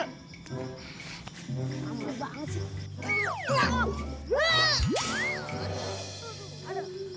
ramai banget sih